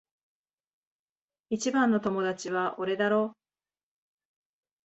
一番の友達は俺だろ？